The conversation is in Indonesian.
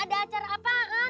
ada acara apaan